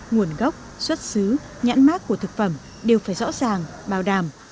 nguồn gốc xuất xứ nhãn mát của thực phẩm đều phải rõ ràng bảo đảm